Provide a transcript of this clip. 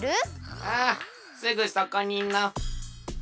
ああすぐそこにの。